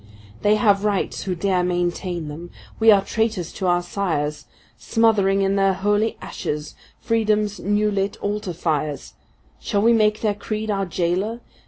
They have rights who dare maintain them; we are traitors to our sires, Smothering in their holy ashes Freedom’s new lit altar fires; Shall we make their creed our jailer?